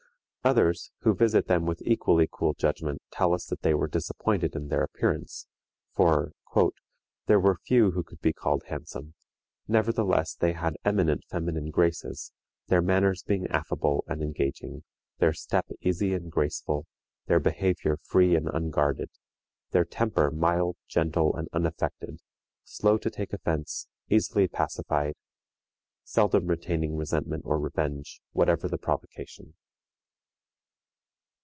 Others, who visit them with equally cool judgment, tell us that they were disappointed in their appearance, for "there were few who could be called handsome; nevertheless, they had eminent feminine graces, their manners being affable and engaging, their step easy and graceful, their behavior free and unguarded, their temper mild, gentle, and unaffected, slow to take offense, easily pacified, seldom retaining resentment or revenge, whatever the provocation."